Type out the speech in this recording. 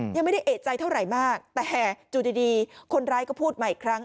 ไม่ได้เอกใจเท่าไหร่มากแต่อยู่ดีคนร้ายก็พูดใหม่อีกครั้ง